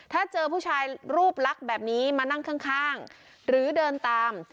ถ้าเจอผู้ชายรูปลักษณ์แบบนี้มานั่งข้างหรือเดินตาม